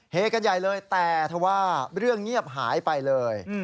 กันใหญ่เลยแต่ถ้าว่าเรื่องเงียบหายไปเลย